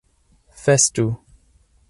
festu